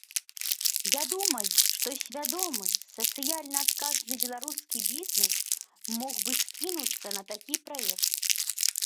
Я думаю, што свядомы, сацыяльна адказны беларускі бізнес мог бы скінуцца на такі праект.